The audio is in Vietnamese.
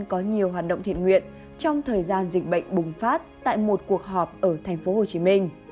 có nhiều hoạt động thiện nguyện trong thời gian dịch bệnh bùng phát tại một cuộc họp ở tp hcm